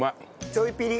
ちょいピリ。